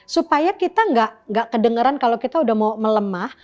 supaya kita nggak kedengeran kalau kita udah mau melemah